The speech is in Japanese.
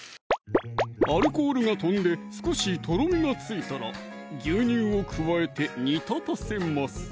アルコールが飛んで少しとろみがついたら牛乳を加えて煮立たせます